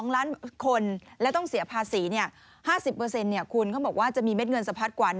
๒ล้านคนและต้องเสียภาษี๕๐คุณเขาบอกว่าจะมีเม็ดเงินสะพัดกว่า